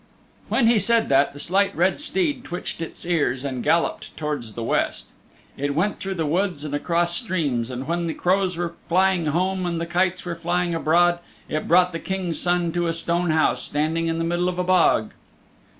When he said that the Slight Red Steed twitched its ears and galloped towards the West. It went through woods and across streams, and when the crows were flying home and the kites were flying abroad it brought the King's Son to a stone house standing in the middle of a bog.